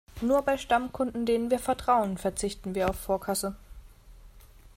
Nur bei Stammkunden, denen wir vertrauen, verzichten wir auf Vorkasse.